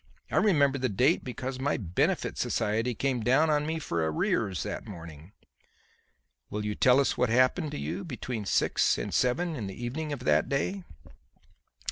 I remember the date because my benefit society came down on me for arrears that morning." "Will you tell us what happened to you between six and seven in the evening of that day?"